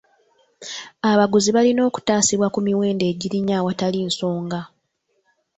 Abaguzi balina okutaasibwa ku miwendo egirinnya awatali nsonga.